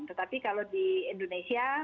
tetapi kalau di indonesia